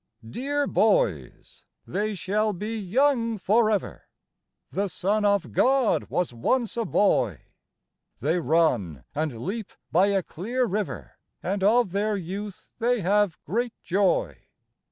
Dear boys ! They shall be young for ever. The Son of God was once a boy. They run and leap by a clear river And of their youth they have great joy.